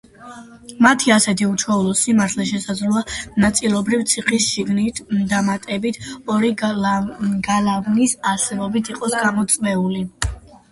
მათი ასეთი უჩვეულო სიმრავლე შესაძლოა, ნაწილობრივ, ციხის შიგნით დამატებით ორი გალავნის არსებობით იყოს გამოწვეული.